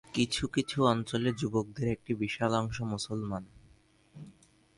কিছু কিছু অঞ্চলে যুবকদের একটি বিশাল অংশ মুসলমান।